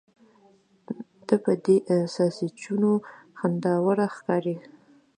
ته په دې ساسچنو خنداوړه ښکارې.